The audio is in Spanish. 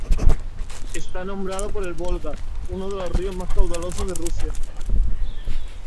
Está nombrado por el Volga, uno de los ríos más caudalosos de Rusia.